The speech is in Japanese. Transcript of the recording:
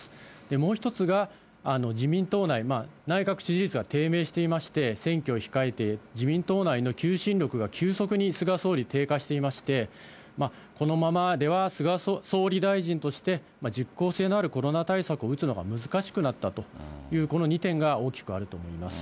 もう１つが自民党内、内閣支持率が低迷していまして、選挙を控えて自民党内の求心力が急速に菅総理、低下していまして、このままでは菅総理大臣として実効性のあるコロナ対策を打つのが難しくなったという、この２点が大きくあると思います。